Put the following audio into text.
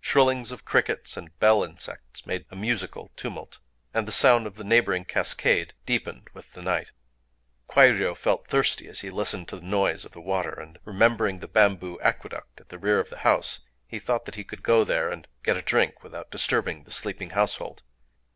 Shrillings of crickets and bell insects (3) made a musical tumult; and the sound of the neighboring cascade deepened with the night. Kwairyō felt thirsty as he listened to the noise of the water; and, remembering the bamboo aqueduct at the rear of the house, he thought that he could go there and get a drink without disturbing the sleeping household.